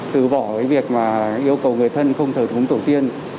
từ bỏ cái việc mà yêu cầu người thân không thờ cúng tổ tiên